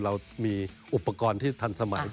เรามีอุปกรณ์ที่ทันสมัย